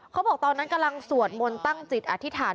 เขาบอกตอนนั้นกำลังสวดมนต์ตั้งจิตอธิษฐาน